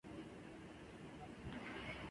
La película vuelve al presente.